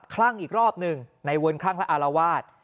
คลั่งอีกรอบนึงในเวินคลั่งฮะอรวาด